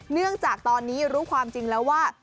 เนื่องจากตอนนี้รู้ความจริงแล้วว่า